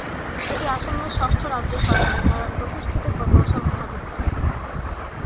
এটি আসামের ষষ্ঠ রাজ্য সরকারের দ্বারা প্রতিষ্ঠিত প্রকৌশল মহাবিদ্যালয়।